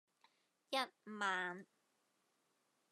一萬